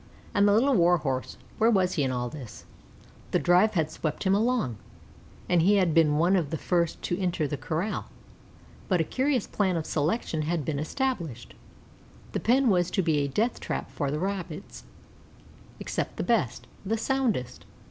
And the Little Warhorse where was he in all this? The drive had swept him along, and he had been one of the first to enter the corral. But a curious plan of selection had been established. The pen was to be a death trap for the Rabbits, except the best, the soundest.